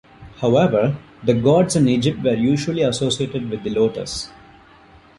However, the gods in Egypt were usually associated with the lotus.